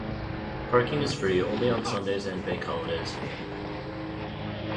Parking is free only on Sundays and Bank Holidays.